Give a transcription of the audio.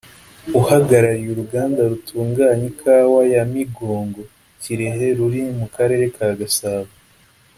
uhagarariye uruganda rutunganya ikawa ya ‘Migongo’(Kirehe) ruri mu karere ka Gasabo